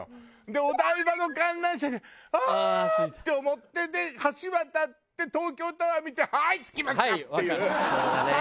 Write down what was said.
でお台場の観覧車でああー！って思ってで橋渡って東京タワー見てはい着きました！っていう三段活用だったのよ。